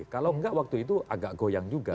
kalau enggak waktu itu agak goyang juga